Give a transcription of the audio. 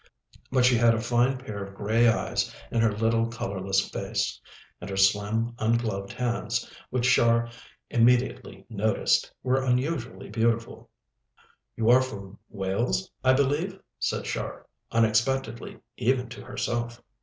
But she had a fine pair of grey eyes in her little colourless face, and her slim, ungloved hands, which Char immediately noticed, were unusually beautiful. "You are from Wales, I believe?" said Char, unexpectedly even to herself.